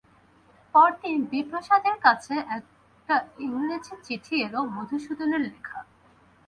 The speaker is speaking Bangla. পরদিন বিপ্রদাসের কাছে এক ইংরেজি চিঠি এল- মধুসূদনের লেখা।